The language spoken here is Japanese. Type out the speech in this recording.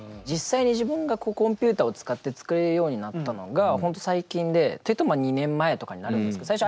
実際に自分がコンピューターを使って作れるようになったのが本当最近でっていうと２年前とかになるんですけど。